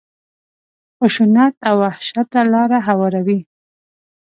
خشونت او وحشت ته لاره هواروي.